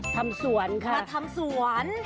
ทำสวน